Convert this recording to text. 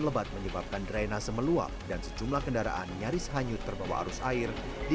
lebat menyebabkan drainase meluap dan sejumlah kendaraan nyaris hanyut terbawa arus air di